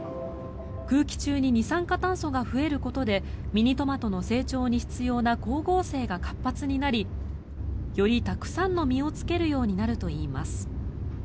空気中に二酸化炭素が増えることでミニトマトの成長に必要な光合成が活発になりよりたくさんの実をつけるようになるといいます。